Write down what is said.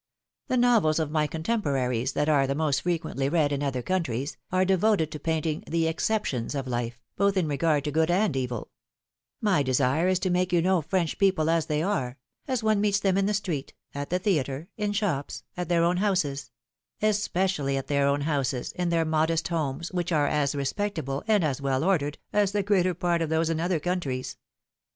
The novels of my contemporaries, that are the most frequently read in other countries, are devoted to painting the exceptions of life, both in regard to good and evil; my desire is to make you know French people as they are, as one meets them in the street, at the theatre, in shops, at their own houses — especially in their own houses, in their modest homes, which are as respectable, and as well ordered, as the greater part of those in other countries.